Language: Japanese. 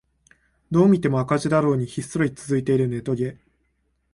どう見ても赤字だろうにひっそり続いているネトゲ